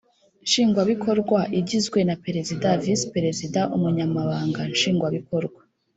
Nshingwabikorwa igizwe na perezida visiperezida umunyamabanga nshingwabikorwa